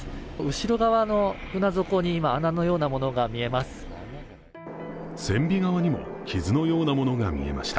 後ろ側の船底に今、穴のようなものが見えます。